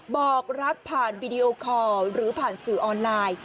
บอกรักผ่านวีดีโอคอร์หรือผ่านสื่อออนไลน์